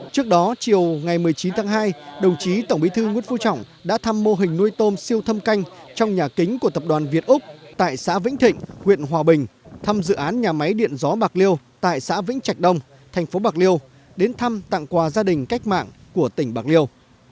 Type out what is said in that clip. trước đó chiều ngày một mươi chín tháng hai đồng chí tổng bí thư nguyễn phú trọng đã thăm mô hình nuôi tôm siêu thâm canh trong nhà kính của tập đoàn việt úc tại xã vĩnh thịnh huyện hòa bình thăm dự án nhà máy điện gió bạc liêu tại xã vĩnh trạch đông thành phố bạc liêu đến thăm tặng quà gia đình cách mạng của tỉnh bạc liêu